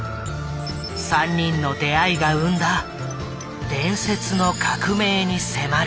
３人の出会いが生んだ伝説の革命に迫る。